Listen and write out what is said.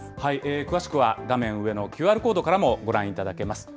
詳しくは画面上のＱＲコードからもご覧いただけます。